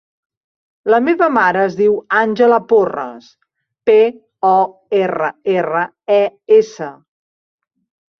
La meva mare es diu Àngela Porres: pe, o, erra, erra, e, essa.